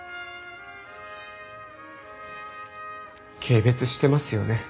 軽蔑してますよね